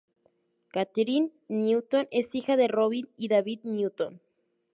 Kathryn Newton es hija de Robin y David Newton.